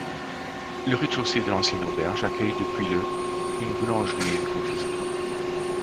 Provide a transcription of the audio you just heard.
Le rez-de-chaussée de l’ancienne auberge accueille depuis le une boulangerie et une confiserie.